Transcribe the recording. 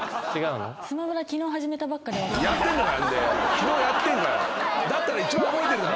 昨日やってんかよ。